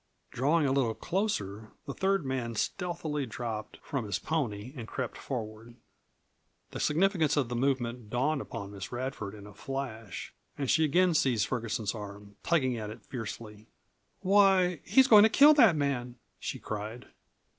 Drawing a little closer, the third man stealthily dropped from his pony and crept forward. The significance of this movement dawned upon Miss Radford in a flash, and she again seized Ferguson's arm, tugging at it fiercely. "Why, he's going to kill that man!" she cried.